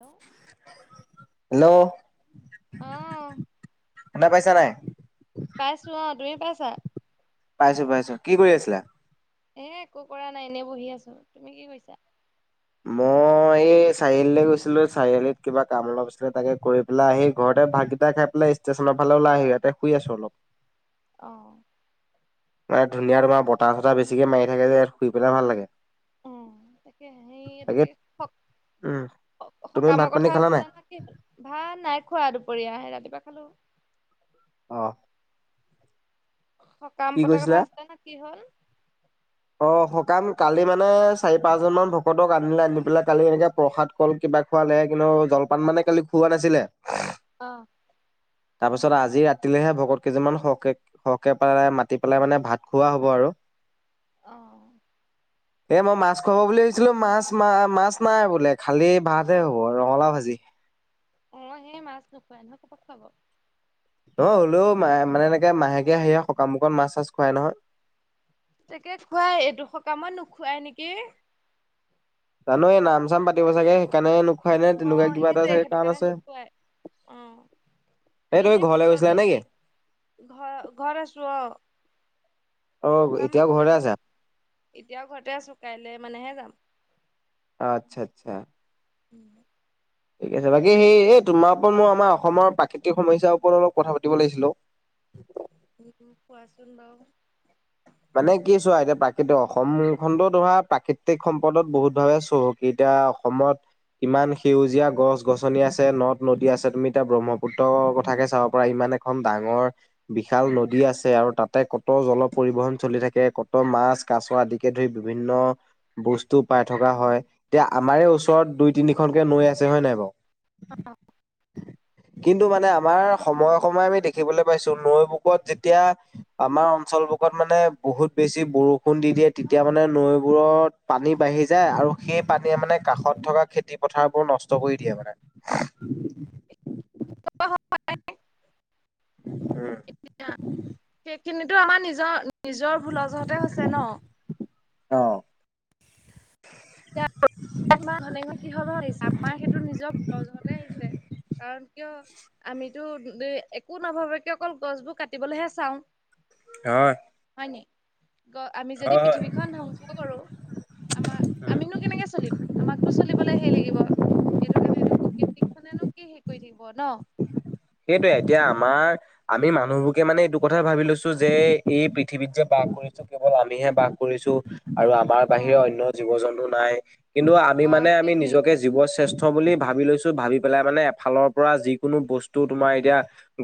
Hello. Hello! অ', শুনা পাইচা নাই? পাইছো অ তুমি পাইছা? পাইছো পাইছো কি কৰি আছিলা? এ একো কৰা নাই এনেই বহি আছো তুমি কি কিৰিছা? মই এই চাৰিআলিলৈ গৈছিলো চাৰিআলিত কিবা কাম অলপ আছিলে তাকে কৰি পেলাই আহি ঘৰত এ', ভাতগিতা খাই পেলই ষ্টেচননৰ ফালে ওলাই আহি ইয়াতে শুই আছো অলপ। অ'। মান ধুনীয়া তোমাৰ বতাহ চতাঈ বেছিক মাৰি থে যে শুই পেলাই ভাল লাগে উম তাকে সেই তাকে এইটোোকে উম তুমি ভাত সকামৰ পানী কথা খালা নাই? আছিলা না কি ভাত নাই খোৱা দুপৰীয়া আহে [unintelligible] খালো। অ'। সকাম পতাৰ কথা আছিলে নহয় কি হল? অ সকাম কালি মানে চাৰি পাঁচজন মান ভকতক আনিলে আনি পেলাই কালি এনেকে প্ৰসাদ কল কিবা খোৱা লে কিন্তু কলপান মানে কালি খোৱা নাছিলে। অ'। তাৰপিছত আজি ৰাতিলেহে ভকত কেইজনমান সকে, সহকে মাতি পেলাই মানে ভাত খোৱা হ'ব আৰু। অ'। এ, মই মাছ খুৱাব বুলি ভাবিছিলো মাছ, মা-মাছ নাই বোলে খালি ভাতহে হ'ব ৰঙালাও ভাজি। অ', সেই মাছ নোখুৱাই নহয়, [unintelligible] খোৱাব। ও, হলেও ম-মানে এনেকে মাহেকীয়া হেৰিত সকামুকত মাছ-চাছ খুৱাই নহয়। তাকে খুৱাই, এইটো সকামত নোখুৱাই নেকি? জানো এই নাম-চাম পাতিব চাগে সেইকাৰণে নে তেনেকুৱা অ', কিবা এটা সেইটয়ে, চাগে সেইটো কাৰণ কাৰণে আছে। নোখোৱাই এই অ। তুমি এনে ঘৰলে পিছত গৈছিলা যদি নেকি? ঘৰ-ঘৰত আছো, অ' অ সকাম এতিয়াও আছিলে ঘৰতে আছা? ঘৰত এতিয়াও ঘৰতে আছো, কাইলে মানেহে যাম। আচ্ছা, আচ্ছা। উম। ঠিক আছে, বাকী সেই এই তোমাৰ ওপৰত মই আমাৰ অসমৰ প্ৰাকৃতিক সমস্যাৰ ওপৰত অলপ কথা পাতিব লাগিছিলো। উম, কোৱাচোন বাৰু। মানে কি চোৱা এতিয়া প্ৰাকৃতিক অসম খণ্ড ধৰা প্ৰাকৃতিক সম্পদত বহুত ভাৱে চহকী এতিয়া এয়া অসমত ইমান সেউজীয়া গছ-গছনি আছে, নদ-নদী আছে, তুমি এতিয়া ব্ৰহ্মপুত্ৰ কথাকে চাব পাৰা ইমান এখন ডাঙৰ বিশাল নদী আছে, আৰু তাতে ক'ত জল পৰিবহন চলি থাকে, কত মাছ-কাছ আদিকে ধৰি বিভিন্ন বস্তু পাই থকা হয়, এতিয়া আমাৰে ওচৰত দুই তিনিখনকে নৈ আছে হয়ে নাই বাৰু। কিন্তু মানে আমাৰ সময়ে সময়ে আমি দেখিবলৈ পাইছো নৈ বুকত যেতিয়া আমাৰ অঞ্চল বুকত মানে বহুত বেছি বৰষুণ দি, দিয়ে তেতিয়া মানে নৈবোৰত পানী বাঢ়ি যায়, আৰু সেই পানীয়ে মানে কাষত থকা খেতি পথাৰবোৰ নষ্ট কৰি দিয়ে মানে। [inaudible] উম। খিনিতো আমাৰ নিজৰ, নিজৰ ভুলৰজহতে হৈছে ন। অ'। [inaudible] ঘনে ঘ কিহৰত আহিছে, আমাৰ সেইটো নিজৰজহতে আহিছে কাৰণ কিয়? আমিতো একো নাভাবাকে অকল গছবোৰ কাটিবলৈহে চাওঁ। আহ। হয় আমি যদি পৃথিৱীখন ধ্বংস কৰো, আমাৰ আমিনো কেনেকে চলিম, আমাকতো চলিবলে হেই লাগিব এইটো কাৰণে এইটো প্ৰকৃতিক খনেনো কি হেৰী কৰি থাকিব ন। সেইটোয়ে এতিয়া আমাৰ আমি মানুহবকে মানে এইটো কথাাই ভাবি লৈছো যে, এই পৃথিৱীত যে বাস কৰিছো, কেৱল আমিহে বাস কৰিছো, আৰু আমাৰ অ বাহিৰে অন্য জীৱ-জন্তু নই, কিন্তু আমি অ মানে আমি সেইটোৱে। নিজকে জীৱ শ্ৰেষ্ঠ বুলি ভাবি লৈছো, ভাবি পেলাই মানে এফালৰ পৰা যিকোনো বস্তু তোমাৰ এতিয়া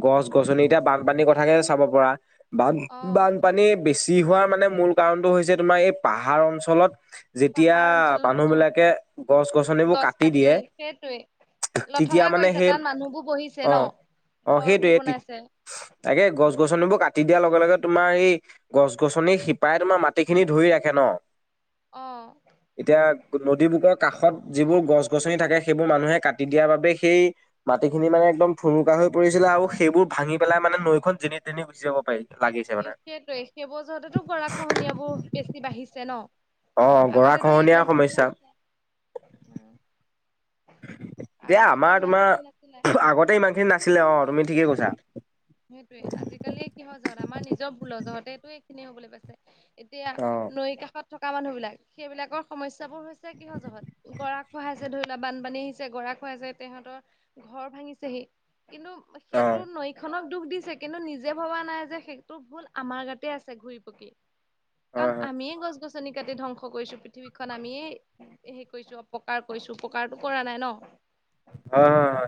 গছ-গছনি, এতিয়া বানপানীৰ কথাকে চাব পৰা, বান অ বানপানীয়ে বেছি হোৱাৰ মানে মূল কাৰণটো হৈছে, তোমাৰ এই পাহাৰ অঞ্চলত যেতিয়া পাহাৰ অঞ্চলত মানুহ অ বিলাকে গছ-গছনিবোৰ গছ কাটি কাটে দিয়ে সেইটোৱে। তেতিয়া লথঙা মানে কৰিছে, সেই তাত মানুহবোৰ বহিছে ন অ', অ', ঘৰবোৰ সেইটোয়ে বনাইছে তাকে গছ-গছ ছ, গছনিবোৰ কাটি দিয়াৰ লগে, লগে তোমাৰ এই গছ-গছনি শিপাই তোমাৰ মাটি খিনি ধৰি ৰাখে ন। অ'। নদীবোকৰ কাষত যিবোৰ গছ-গছনি থাকে, সেইবোৰ মানুহে কাটি দিয়াৰ বাবে সেই মাটিখিনি মানে একদম ঠুনুকা হৈ পৰিছিলে আৰু সেইবোৰ ভাঙি পেলাই মানে নৈখন যেনি তেনি গুচি যাব পাৰি। লাগিছে মানে। সেইটোৱেটো সেইবোৰৰ য'হতেটো গৰাখহনীয়াবোৰ বেছি বাঢ়িছে ন'। অ গৰা আগতেতো খহনীয়াৰ ইমান কেইটা সমস্যা। আছে অ' এতিয়া আমাৰ খিনি নাছিলে তোমাৰ আগতে ইমানখিনি নাছিলে অ', তুমি ঠিকে কৈছা। সেইটোৱে আজিকালি কি হয় যহত, আমাৰ নিজৰ ভুল যহঁতেটো এইখিনি হবলে পাইছে। এতিয়া অ অ নৈ কাষত থকা মানুহ বিলাক সেইবিলাকৰ সমস্যা টাবোৰ হৈছে কিহ জহট গৰা খহাইছে ধৰি না বানপানী আহিছে গৰা খুৱাইছে তেহঁতৰ ঘৰ ভাঙিছেহি কিন্তু হয় সেইটো ন আনক দুখ দিছে কিন্তু নিজে ভবা নাই যে সেইটো ভুল আমাৰ গাতে আছে ঘুৰি পকি। কাৰণ হয় হয় আমিয়ে গছ গছ গচ-গছনি কাটি ধ্বংস কৰিছো, পৃথিৱীখন আমিয়ে হেই কৰিছো। অপকাৰ কৰিছো উপকাৰটো কৰা নাই ন। হয়', হয়', হয়।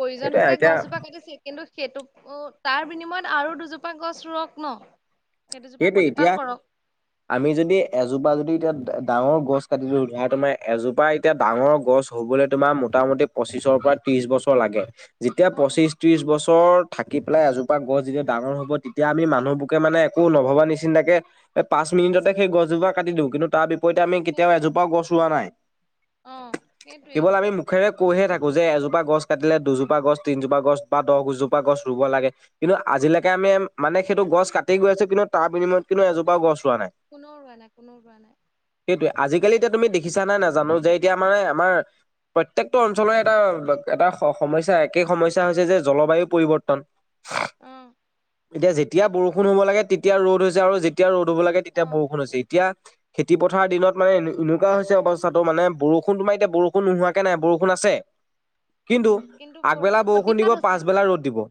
প্ৰয়োজন সেইটোৱে হৈছে এতিয়া গছজোপা কাটিছে কিন্তু সেইটো তাৰ বিনিময়ত আৰু দুজোপা গছ ৰুয়ক ন। সেইটোজোপা সেইটো প্ৰতিপাল এতিয়া কৰক আমি যদি এজোপা যদি এতিয়া ডাঙৰ গছ কাটিলো, ধৰা তোমাৰ এজোপা এতিয়া ডাঙৰ গছ হ'বলৈ তোমাৰ মোটামুটি পচিছৰ পৰা ত্ৰিশ বছৰ লাগে। যেতিয়া অ পঁচিশ ত্ৰিশ বছৰ থাকি পেলাই এজোপা গছ যেতিয়া, ডাঙৰ হ'ব তেতিয়া আমি মানুহবোকে মানে একো নভবা নিচিন্তাকে এই পাঁচ মিনিটতে সেই গছজোপা কাটি দিওঁ কিন্তু তাৰ বিপৰীতে আমি কেতিয়াও সেইটোৱে এজোপাও গছ ৰোৱা নাই। অ সেইটোৱে কেৱল আমি মুখেৰে কৈহে থাকোঁ। যে এজোপা গছ কাটিলে দুজোপা গছ তিনজোপা গছ বা দহজোপা গছ ৰুব লাগে, কিন্তু আজিলৈকে আমি মানে সেইটো গছ কাতি গৈ আছো কিন্তু, তাৰ বিনিময়ত কিন্তু এজোপা গছ ৰোৱা নাই। কোনো ৰোৱা নাই কোনো ৰোৱা নাই। সেইটোৱে আজিকালি এতিয়া তুমি দেখিছা নাই নাজানো যে এতিয়া আমা আমাৰ- প্ৰত্যেকটো অঞ্চলৰ এটা এটা সমস্যা একে সমস্যা হৈছে যে জলবায়ু পৰিৱৰ্তন। অ এতিয়া যেতিয়া সেইটোতো বৰষুণ হ'ব লাগে, তেতিয়া ৰ'দ হৈছে আৰু যেতিয়া ৰ'দ ৰ'দ হ'ব লাগে অ তেতিয়া বৰষুণ হৈছে এতিয়া। খেতি পথাৰ দিনত মানে এনেকুৱা হৈছে, অৱস্থাটো মানে বৰষুণ তোমাৰ এতিয়া বৰষুণ নোহোৱাকে নাই বৰষুণ আছে। অ কিন্তু আগবেলা বৰষুণ অতিপাত দিব হৈছে পাচবেলা ৰ'দ দিব।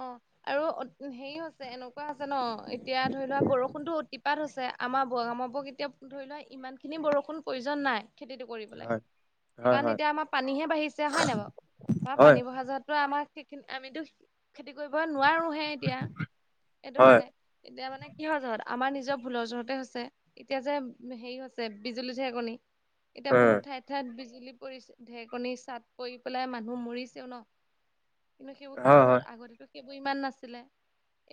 অ', আৰু হেৰি হৈছে এনেকুৱা আছে ন, এতিয়া ধৰি লোৱা বৰষুণতো অতিপাত হৈছে। আমাৰ বো আমাৰ বোৰক এতিয়া ধৰি লোৱা ইমান খিনি বৰষুণ প্ৰয়োজন নাই খেতিটো কৰিবলে। হয় হয় কাৰণ হয় এতিয়া আমাৰ পানীহে বাঢ়িছে হয় নাই বাৰু, আমাৰ হয় পানী বহা জগততো আমাৰ সেইখিনি আমিতো খেতি কৰিব নোৱাৰোহে এতিয়া, সেইটো হয় কাৰণে এতিয়া মানে কিহৰ জত আমাৰ নিজৰ ভুলৰ জোৰতে হৈছে, এতিয়া যে হেৰি হৈছে বিজুলী ধেৰকনি এতিয়া উম বহুত ঠাইত ঠাইত বিজ বিজলি পৰিছে ধেকনি চাট পৰি পেলাই মানুহ মৰিছেও ন, কিন্তু সেইবোৰ কি হয় জন সেইবোৰ ইমান নাছিলে,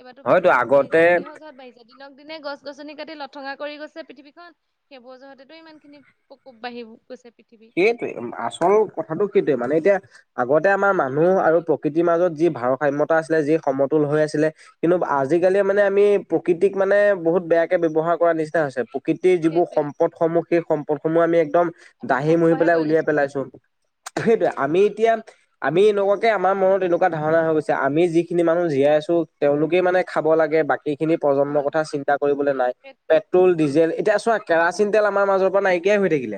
এইবাৰটো হয়তো বেছি বাঢ়িছে আগতে কিহৰজহত বাঢ়িছে। দিনক দিনে গছ গছনি কাটি লথঙা কৰি গৈছে, পৃথিৱীখন সেইবোৰ জোৰহতেটো ইমান খিনি প্ৰকোপ বাঢ়িব [unintelligible] সেইটোৱে আচল কথাটো সেইটোয়ে মানে এতিয়া আগতে আমাৰ মানুহ আৰু প্ৰকৃতিৰ মাজত যি ভাৰসাম্যতা আছিলে যি সমতুল হৈ আছিলে। কিন্তু আজিকালি মানে আমি প্ৰকৃতিক মানে, বহুত বেয়াকে ব্যৱহাৰ কৰা নিচিনা হৈছে। প্ৰকৃতিৰ যিবোৰ সেইটোৱে সম্পদ সমূহ সেই সম্পদ সমূহ আমি একদম আমি দাহি মহি ধ্বংসহে পেলাই কৰি উলিয়াই গৈছো পেলাইছো। সেইটোৱে আমি এতিয়া আমি এনেকুৱাকে আমাৰ মনত এনেকুৱা ধাৰণা হৈ গৈছে, আমি যিখিনি মানুহ জীয়াই আছো তেওঁলোকেই মানে খাব লাগে বাকী খিনি অ প্ৰজন্মৰ কথা চিন্তা কৰিবলৈ নাই। সেইটোৱে পেট্ৰ'ল উম ডিজেল এতিয়া চোৱা কেৰাচিন তেল আমাৰ মাজৰ পৰা নাই নাইকিয়া হৈ থাকিলে।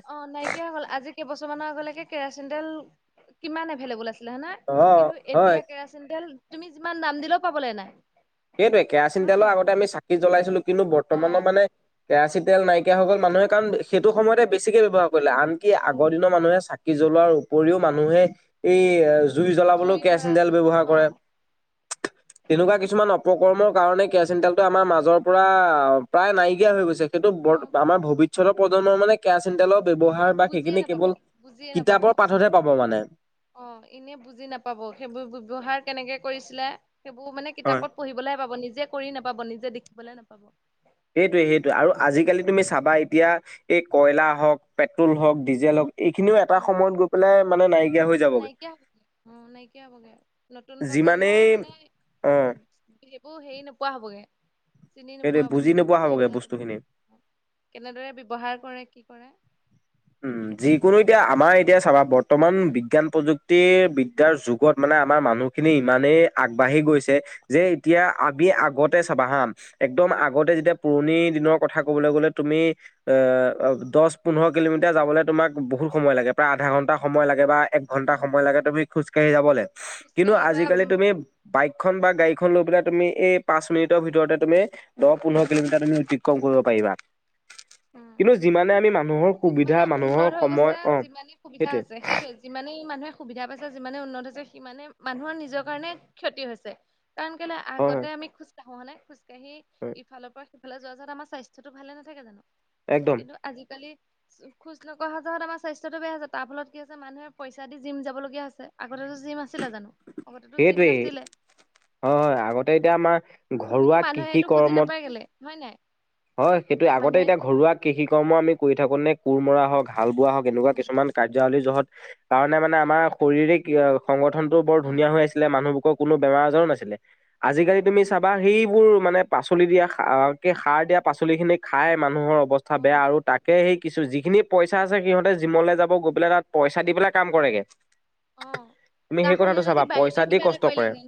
কিয় হ'ল আজি কেইবছৰমানৰ আগলৈকে কেৰাচিন তেল কিমান এভেললেবোল আছিলে। ছিলা নাই অ কিন্তু হয় এতিয়া কেৰাচিন তেল তুমি যিমান দাম দিলেও পাবলৈ নাই। সেইটোৱে কেৰাচিন হয় তেলৰ নাই আগতে আমি চাকি জ্বলাইছিলো, কিন্তু অ বৰ্তমানৰ মানে কেৰাচিন তেল নাইকিয়া হৈ গ'ল মানুহে কাৰণ সেইটো সময়তে বেছিকে ব্যৱহাৰ কৰিলে আনকি অ আগৰ দিনৰ মানুহে চাকি কি জ্বলোৱাৰ উপৰিও মানুহে এই জুই জ্বলাবলৈও কেৰাচিন তেল ব্যৱহাৰ অ কৰে। তেনেকুৱা কিছুমানক উপকৰ্মৰ কাৰণে কেৰাচিন তেলটো আমাৰ মাজৰ পৰা প্ৰায় নাইকিয়া হৈ গৈছে। সেইটো বৰ অ আমাৰ ভৱিষ্যতৰ প্ৰজন্মৰ মানে কেৰাচ ব্যৱহাৰ বা বুজিয়ে সেইখিনি নাপাব কেৱল বুজিয়ে নাপাব কিতাপৰ পাঠতহে পাব মানে। অ', এনে বুজি নাপাব, সেইবোৰ ব্যৱহাৰ কেনেকে কৰিছিলে? সেইবোৰ মানে হয় কিতাপত পঢ়িবলৈহে পাব, নিজে কৰিব নাপাব, নিজে দেখিবলৈ নাপাব। সেইটোৱে, সেইটোৱে আৰু আজিকালি তুমি চাবা এতিয়া এই কয়লা হওঁক, পেট্ৰল হওঁক, ডিজেল হওঁক। এইখিনিও এটা অ সময়ত গৈ পেলাই মানে নাইকিয়া হৈ যাবগে, নাইকিয়া হ'বগে অ নাইকিয়া হ'বগে নতুন যি প্ৰজন্মই মানে সেইবোৰ হেৰি নোপোৱা হ'বগে। চিনি সেইটোৱে নোপোৱা হ'ব, বুজি নোপোৱা কিতাপত হ'বগে পঢ়িবলৈ, বস্তুখিনি কেনেদৰে ব্যৱহাৰ কৰে? কি কৰে? উম, যিকোনো এতিয়া আমাৰ এতিয়া চাবা বৰ্তমান বিজ্ঞান প্ৰযুক্তিৰ বিদ্যাৰ যুগত মানে আমাৰ মানুহখিনি ইমানেই আগবাঢ়ি গৈছে, যে এতিয়া আমি আগতে চাবা হা, এক দম আগতে যেতিয়া পুৰণি দিনৰ কথা ক'বলৈ গ'লে, তুমি অ', দশ, পোন্ধৰ কিলোমিটাৰ যাবলৈ তোমাক বহুত সময় লাগে, প্ৰায় আধা ঘণ্টা সময় লাগে, বা একঘণ্টা সময় লাগে, তুমি খোজ সেই যাবলে কিন্তু খোজকাঢ়ি বা আজিকালি উম তুমি বাইক খন বা গাড়ীখন লৈ পিনে তুমি এই পাঁচ মিনিটৰ ভিতৰতে তুমি দহ, পোন্ধৰ কিলোমিটাৰ তুমি অতিক্ৰম কৰিব পাৰি ৰিবা কিন্তু যিমানে আমি মানুহৰ সুবিধা যিমানে মানুহৰ উন্নত হৈ সময় গৈছে, অ' যিমানে সুবিধা হৈছে, সেইটোৱে যিমানেই ই মানুহে সুবিধা পাইছে, যিমানে উন্নত হৈছে, সিমানে মানুহৰ নিজৰ কাৰণেই ক্ষতি হৈছে। কাৰণ কেলে? হয় হয় আগতে আমি খোজ কাঢ়ো, খোজকাঢ়ি হয় ইফালৰ পৰা সিফালে যোৱা যত আমাৰ স্বাস্থ্যতটো ভালে নাথাকে, জানো একদম কিন্তু আজিকালি খোজ নকঢ়া ফলত আমাৰ স্বাস্থ্যটো বেয়া হৈছে। তাৰ ফলত কি হৈছে? মানুহে পইচা দি জিম যাবলগীয়া হৈছে। আগতেটো জিম আছে সেইটোৱেই। অ হয় আগতে এতিয়া আমাৰ কিন্তু ঘৰুৱা কৃষি মানুহেটো বুজি কৰ্মত নাপায় কেলে হয় নাই? হয় সেইটোয়ে আগতে এতিয়া মানুহেটো ঘৰুৱা কৃষি কৰ্ম আমি কৰি থাকো নে কোৰ মৰা হওক হাল বোৱা হওঁক। তেনেকুৱা উম কিছুমান কাৰ্যাৱলী জহত কাৰণে মানে আমাৰ শৰীৰিক সংগঠন বৰ অ ধুনীয়া হৈ আছিলে, মানুহবোৰৰ কোনো বেমাৰ- আজাৰো নাছিলে। আজিকালি তুমি অ চাবা সেইবোৰ মানে পাচলি দিয়া, সাৰ দিয়া পাচলি খিনি খাই মানুহৰ অৱস্থা অ বেয়া আৰু তাকে সেই কিছু যিখিনি পইচা আছে সিহতে জিমলৈ যাব গৈ পেলাই তাত পইচা দি পেলাই কাম কৰে। অ তুমি তাৰ সেই সলনি কথাটো যদি চাবা বাৰীতে পইচা দি কিবা এটা কষ্ট কৰে। কৰিলেহেঁতেন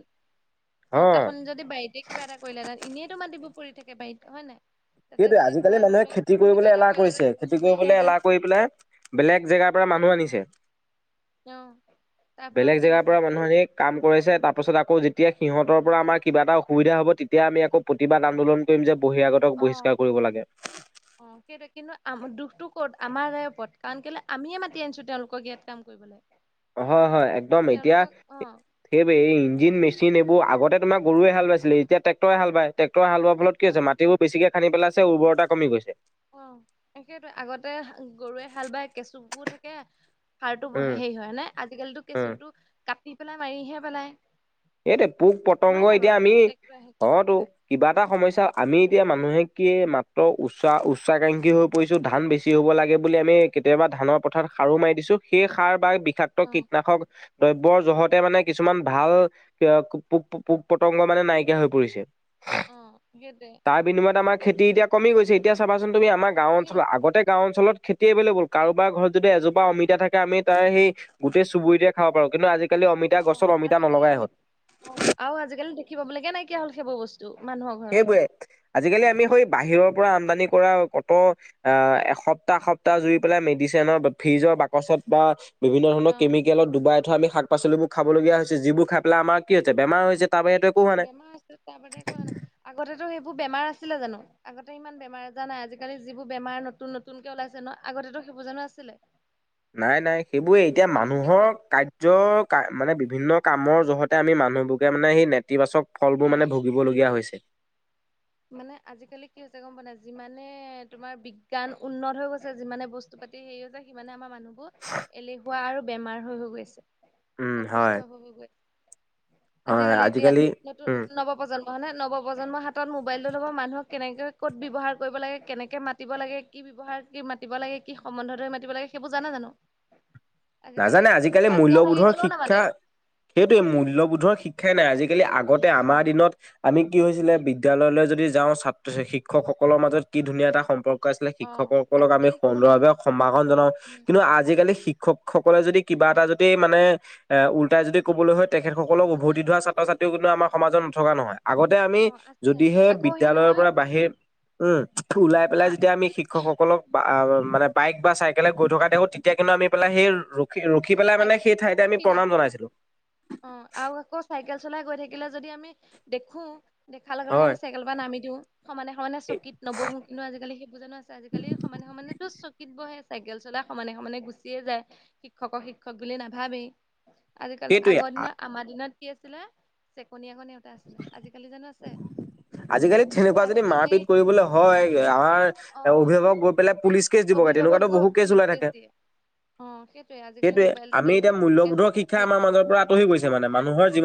অ তখন যদি বাৰীতে কিবা এটা কৰিলে, এনেইতো মাতিবোৰ পৰি থাকে বাৰিতে, হয় নাই? তাতে সেইটে যদি আজিকালি তোমাৰ ধৰি মানুহে লোৱা খেতি কিবা কৰিবলৈ এটা এলাহ কৰিলেহেঁতেন কৰিছে। কোৰ খেতি কৰিবলৈ মাৰিলেহেঁতেন এলাহ কৰি পেলাই বেলেগ ঠাইৰ পৰা মানুহ আনিছে। অ তাৰ ফলত বেলেগ কি ঠাইৰ হৈছে পৰা মানুহখিনি কাম কৰিছে, তাৰ পিছত আকৌ যেতিয়া সিহঁতৰ পৰা আমৰ কিবা এটা অসুবিধা হব, তেতিয়া আমি আকৌ প্ৰতিবাদ আন্দোলন কৰিম যে বহিৰাগত অ বহি লাগে। অ সেইটোৱে কিন্তু আম দুখতটো ক'ত আমাৰ গৰ ওপৰত কাৰণ কেলে আমিয়ে মাতি আনিছো, তেওঁলোকক ইয়াত কাম কৰিবলৈ। হয় হয়, একদম এতিয়া তেওঁলোকক অ সেইবোৰ ইঞ্জিন মেচ চিন এইবোৰ আগতে আমাৰ গৰুৱে হাল বাইছিলে এতিয়া ট্ৰেক্টৰ হাল বাইছে। ট্ৰেক্টৰে হাল বোৱাৰ হ ফলত কি টেক্টৰ হৈছে? মাটি বোৰ বেছিকে খানি পেলাইছে, উৰ্বৰতা কমি গৈছে। অ সেইটো আগতে গৰুৱে হাল বাই কেঁচুু থাকে। হাৰটো ব উম হেৰি হয় নে? আজি কালিতো উম কেঁচুটো কাটি পেলাই মাৰিহে পেলাই। এইটো পোক হয় পতংগ নাই এতিয়া বাৰু আমি ট্ৰেক্টৰ আহি গ'ল অতো আগে কিবা এটা সমস্যা আমি এতিয়া মান মানুহে কি মাত্ৰ উচ্চ উচ্চাকাংক্ষী হৈ পৰিছোঁ ধান বেছি হ'ব লাগে বুলি, আমি কেতিয়াবা ধানত পথাৰত সাৰো মাৰি দিছো। সেই সাৰ বা বি্ষাক্ত অ কীটনাশক দ্ৰব্যৰ জহতে মানে কিছুমান ভাল পোক পোক পতংগ মানে নাইকিয়া হৈ পৰিছে, অ সেইটোৱে তাৰ বিনিময়ত আমাৰ খেতি এতিয়া কমি গৈছে এতিয়া চাবাচোন তুমি আমাৰ গাঁও কমি অঞ্চল গৈছে আতে গাঁও অঞ্চত খেতি এবলে গ'ল কাৰোবাৰ ঘৰত যদি এজোা অমিতাাকে আমি তাৰ সেই গোটেই চুবুৰীতে খাব পাৰো কিন্তু আজি আজাল অমিতা অ গছত অমিতা আজিকালি নলগাই আমি আহত অ আৰু আজিকালি দেখিাবলগে নাই কি হল সেইবোৰ বস্তু মানুহৰ ঘৰত সেইবোৰে আজিকালি আমি হৈ বাহিৰৰ পৰা আমানি কৰা ক এসপ্তাহ এসপ্তাহ জু পেলাই মেডিচনৰ ফিজৰ বাকচত বা বিভিন্ন ধৰণৰ অ কেমিকেলত ডুবাই থোৱা আমি শাক পাচলিবোৰ খাবলগীয়া হৈছে যিবোৰ খাই পেলাই আমাৰ কি হৈছে বেমাৰ হৈছে তাৰ বাহিৰেতো একো হোৱা নাই। বেমাৰ আ তপে ক ন আগতেতো সবোৰ বেমাৰ আছিলে জানো আগতে ইমান বেমাৰ আজাৰ নাই আজিকালি যিবোৰ বেমাৰ নতুন নতুনকে ওলাইছে ন আগতেো সেইবোৰ জানো আছিলে নাই নাই সেইবোৰে এতিয়া উম সেইটোৱে মানুহৰ কাৰ্যৰ মানে বিভিন্ন কামৰ জহতে আমি মানুহবোৰকে মানে সেই নেতিবাচক ফলবোৰ উম মানে ভুগিবলগীয়া হৈছে মানে আজিকালি কি হৈছে গম প নাই যিমানে তোমাৰ বিজ্ঞান উন্নত হৈ গৈছে যিমানে বস্তু তি সেৰিও যে সিমানেমাৰ মানুহ এলেহুৱা আৰু বেমাৰ হৈ হৈ গৈছে উম হয় অসুস্থ হৈ গৈ হয় আজিকালি এতিয়া নতুন উম নৱপজন্ম হয় নে নৱপজন্ম হাতত মোৰ মোবাইলটোৰ লগত মানুহক কেনেকৈ ক'ত ব্যৱহাৰ কৰিব লাগে কেনেকৈ মাতি লাগে কি ব্যৱহাৰ মাতিব লাগে কি সম্বন্ধ দৰে মাতিব লাগে সেইবোৰ জানে জানো নাজানে আজিকালি গাত গা লাগি মূল্য়বোধৰ গলেও নামাতে শিক্ষা সেইটে মূল্য়বোধৰ শিক্ষাই নাই আজিকালি জিকি আগতে অ আমাৰ দিনত আমি কি হৈছিলে বিদ্যলয়লৈ যদি যাও ছাত্ৰ শিক্ষকসকলৰ মাজত কি ধুনীয়া এটা সম্পৰ্ক ছিলে অ শিক্ষকসকলক আমি আজিকালি সেইবোৰ নাই সুন্দৰভাৱে সম্ভাষন জনাও উম কিন্তু আজিকালি শিক্ষক সকলে যদি কিবা এটা যদি মানে এ উল্টাই যদি ক'বলৈ হয় তেখেতসকলক কবলৈ উভতি ধোৱা ছাত্ৰ ছাত্ৰী কিন্তু আমাৰ সমাজত নথকা নহয় আগতে আমি অ আছে যদিহে আকৌ সেই বিদ্য়ালয়ৰ নহয় পৰা বাহিৰ উম ওলাই পেলাই আহ যেতিয়া আমি শিক্ষকসকলক বা আ মানে বাইক বা চাইকেলে গৈ থকা দেখো তেতিয়া কিন্তু নামি পেলাই সেই ৰখি ৰখি পেলাই চাই মানে সেই ঠাইতে আমি ৰখি দিওঁ প্ৰণাম জনাইছিলো অ আৰু আকৌ চাইকেল চলাই গৈ থাকিলে যদি আমি দেখো দেখাৰ লগে লগে হয় আমি চাইকেল পা নামি দিওঁ সমানে সমানে চকীত নবহো কিন্তু আজিকালি সেই বোৰ জানো আছে আজিকালি সমানে সমানেতো চকীত বহে চাইকেল চলাই সমানে সমানে গুচিয়ে যায় শিক্ষকক শিক্ষক বুলি নাভাবেই আজিকালি সেইটোৱে আগৰ দিনত আ- আমাৰ দিনত কি আছিলে চেকনি আগত নেওতা আছিলে, আজিকালি জানোঁ আছে? আজিকালি তেনেকুৱা যদি আজিকালি মাৰপিট কৰিবলৈ হয়, আমাৰ অ অভিভাৱক গৈ পেলাই পুলিচ কেছ দিবগে, অভিভাৱক তেনেকুৱাতো গৈ বহুত কেছ পুলিচ ওলাই কেচ থাকে। দিয়ে অ সেইটোয়ে আজিকালি সেইটোৱে মোবাইলতে আমি এতিয়া তেনেকুৱা বহুত কেচ মূল্যবোধৰ শিক্ষা হেৰি আমাৰ মাজৰ পৰা আঁতৰি গৈছে মানে মানুহৰ জীৱন